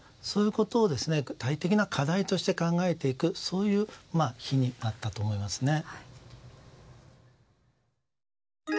そういうことを具体的な課題として考えていくそういう日になったと思います。